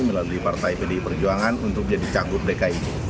melalui partai pdi perjuangan untuk jadi cagup dki